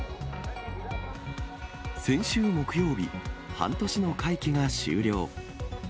先週木曜日、半年の会期が終了。